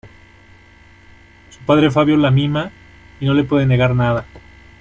Su padre Fabio la mima, y no le puede negar nada.